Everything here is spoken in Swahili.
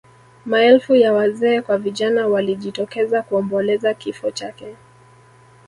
maelfu ya wazee kwa vijana walijitokeza kuomboleza kifo chake